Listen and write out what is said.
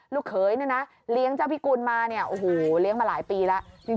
ลูกเขยเนี่ยนะเลี้ยงเจ้าพิกุลมาเนี่ยโอ้โหเลี้ยงมาหลายปีแล้ว